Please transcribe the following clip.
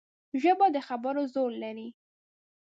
ژبه د خبرو زور لري